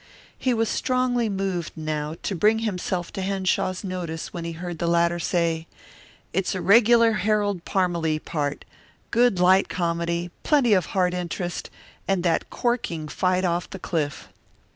He was strongly moved, now, to bring himself to Henshaw's notice when he heard the latter say, "It's a regular Harold Parmalee part, good light comedy, plenty of heart interest, and that corking fight on the cliff."